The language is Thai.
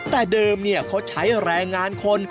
แต่เดิมเขาใช้แรงงานคน